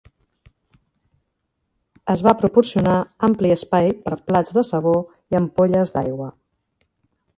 Es va proporcionar ampli espai per plats de sabó i ampolles d'aigua.